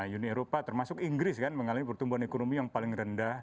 uni eropa termasuk inggris kan mengalami pertumbuhan ekonomi yang paling rendah